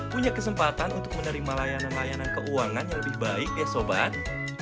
punya kesempatan untuk menerima layanan layanan keuangan yang lebih baik ya sobat